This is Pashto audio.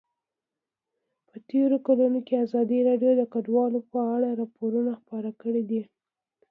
په تېرو کلونو کې ازادي راډیو د کډوال په اړه راپورونه خپاره کړي دي.